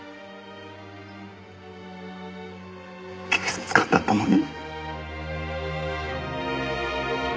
警察官だったのに。